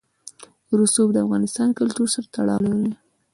رسوب د افغان کلتور سره تړاو لري.